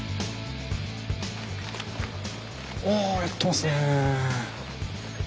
あやってますね。